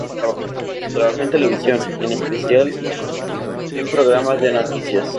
Trabajó en televisión, en especial en programas de noticias.